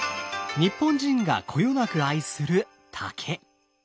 日本人がこよなく愛する竹。